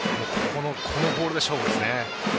このボール勝負ですね。